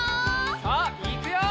さあいくよ！